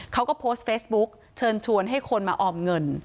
เขาก็โพสต์เฟซบุ๊กเชิญชวนให้คนมาออมเงิน